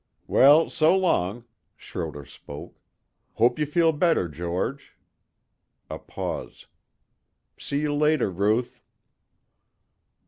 "Well, so long," Schroder spoke. "Hope you feel better, George." A pause. "See you later, Ruth."